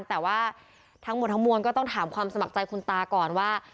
แต่ว่าทั้งหมดทั้งมวลก็ต้องถามความสมัครใจคุณตาก่อนว่า